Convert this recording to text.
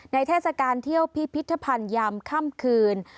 เทศกาลเที่ยวพิพิธภัณฑ์ยามค่ำคืน